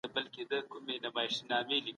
موږ باید د غریبانو په ستونزو ځان پوه کړو.